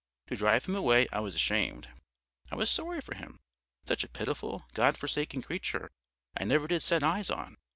To drive him away I was ashamed. I was sorry for him; such a pitiful, God forsaken creature I never did set eyes on.